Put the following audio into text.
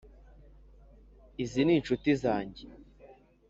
izi ni inshuti zanjye.